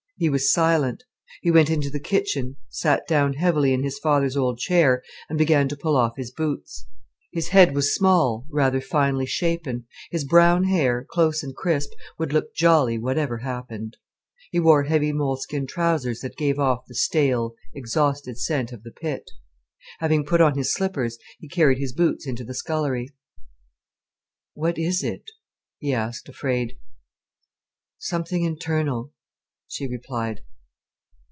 He was silent. He went into the kitchen, sat down heavily in his father's old chair, and began to pull off his boots. His head was small, rather finely shapen. His brown hair, close and crisp, would look jolly whatever happened. He wore heavy moleskin trousers that gave off the stale, exhausted scent of the pit. Having put on his slippers, he carried his boots into the scullery. "What is it?" he asked, afraid. "Something internal," she replied.